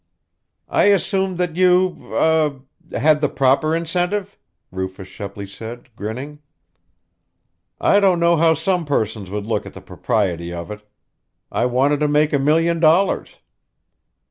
"I assume that you er had the proper incentive," Rufus Shepley said, grinning. "I don't know how some persons would look at the propriety of it. I wanted to make a million dollars."